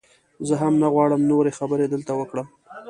زه هم نه غواړم نورې خبرې دلته وکړم.